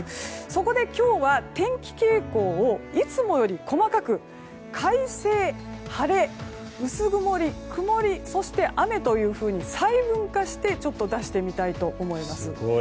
そこで今日は、天気傾向をいつもより細かく快晴、晴れ薄曇り、曇り、雨と細分化して出してみたいと思います。